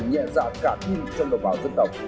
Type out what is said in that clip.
nhẹ dạng cả tim trong đồng bào dân tộc